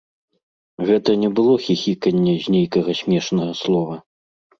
Гэта не было хіхіканне з нейкага смешнага слова.